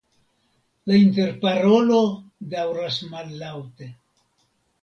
La interparolo daŭras mallaŭte.